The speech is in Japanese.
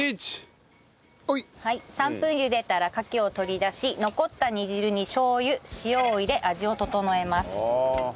３分茹でたらカキを取り出し残った煮汁にしょう油塩を入れ味を調えます。